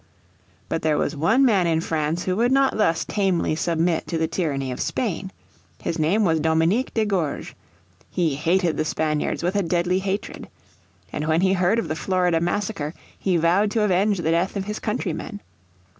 But there was one man in France who would not thus tamely submit to the tyranny of Spain. His name was Dominique de Gourges. He hated the Spaniards with a deadly hatred. And when he heard of the Florida massacre he vowed to avenge the death of his countrymen.